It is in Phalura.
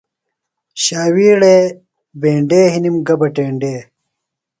شاویڑے بینڈے، ہِنم گہ بہ ٹینڈے